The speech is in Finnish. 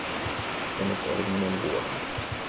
Ja nyt oli minun vuoroni.